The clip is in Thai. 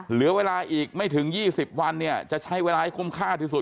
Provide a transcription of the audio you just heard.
เหลือเวลาอีกไม่ถึง๒๐วันเนี่ยจะใช้เวลาให้คุ้มค่าที่สุด